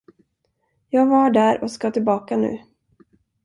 Jag var där och ska tillbaka nu.